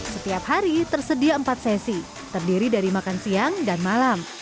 setiap hari tersedia empat sesi terdiri dari makan siang dan malam